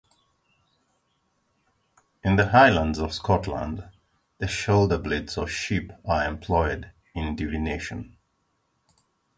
In the Highlands of Scotland, the shoulder-blades of sheep are employed in divination.